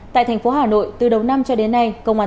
tại thành phố hà nội từ đầu năm cho đến nay